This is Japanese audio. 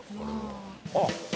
あっ！